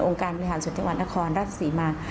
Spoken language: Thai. องค์การบริหารสวัสดิกวัณฑ์อรัฐศรีมา